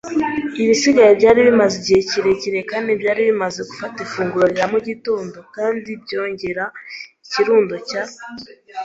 Ibisigaye byari bimaze igihe kinini kandi byari bimaze gufata ifunguro rya mugitondo kandi byongera ikirundo cya